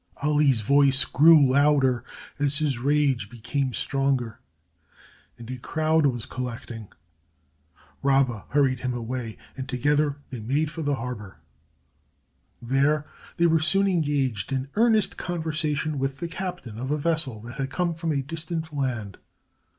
Ali's voice grew louder as his rage became stronger and a crowd was collecting. Rabba hurried him away and together they made for the harbor. There they were soon engaged in earnest conversation with the captain of a vessel that had come from a distant land.